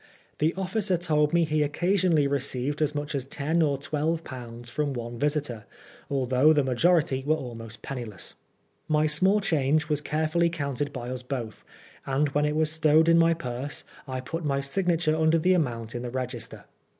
The officer told me that he occasionally received as much as ten or twelve pounds from one visitor, although the majority were almost penniless. My small change was carefully counted by us both, and when it was stowed in my purse, I put my signature under the amount in the register.